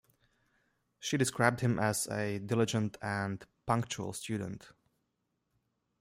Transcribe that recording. She described him as a diligent and punctual student.